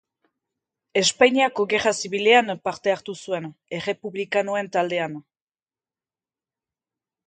Espainiako Gerra Zibilean parte hartu zuen, errepublikanoen taldean.